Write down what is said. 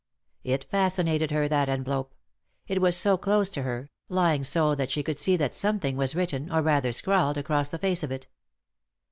It fascinated her, that envelope ; it was so close to her, lying so that she could see that some thing was written, or rather scrawled, across the face of it.